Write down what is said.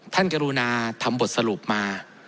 กรุณาทำบทสรุปมา